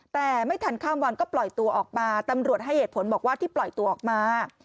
แต่ไม่ทันข้ามวันก็ปล่อยตัวออกมาตำรวจให้เหตุผลบอกว่าที่ปล่อยตัวออกมา